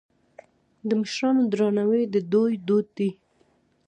د مشرانو درناوی د دوی دود دی.